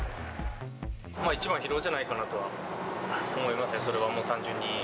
一番は疲労じゃないかなとは思いますね、それはもう単純に。